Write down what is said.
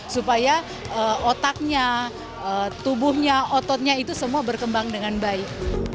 supaya otaknya tubuhnya ototnya itu semua berkembang dengan baik